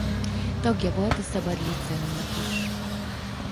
Tagja volt a szabad líceumnak is.